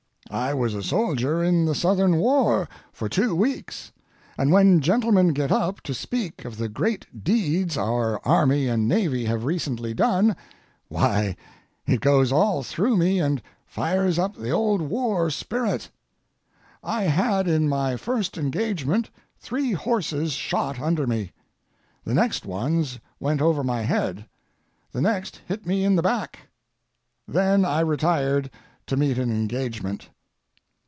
I was a soldier in the Southern war for two weeks, and when gentlemen get up to speak of the great deeds our army and navy have recently done, why, it goes all through me and fires up the old war spirit. I had in my first engagement three horses shot under me. The next ones went over my head, the next hit me in the back. Then I retired to meet an engagement.